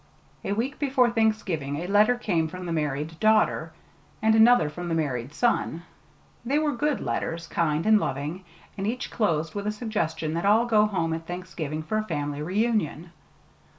A week before Thanksgiving a letter came from the married daughter, and another from the married son. They were good letters, kind and loving; and each closed with a suggestion that all go home at Thanksgiving for a family reunion.